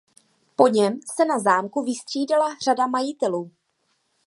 Po něm se na zámku vystřídala řada majitelů.